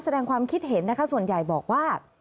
แสดงความคิดเห็นนะคะส่วนใหญ่บอกว่า